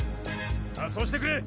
ああそうしてくれ！